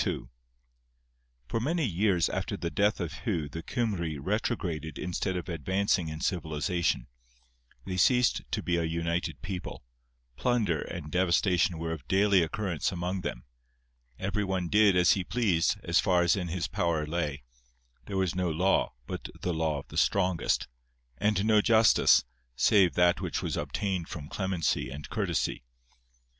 {21b} For many years after the death of Hu the Cymry retrograded instead of advancing in civilization; they ceased to be a united people; plunder and devastation were of daily occurrence among them; every one did as he pleased, as far as in his power lay; there was no law, but the law of the strongest; and no justice, save that which was obtained from clemency and courtesy.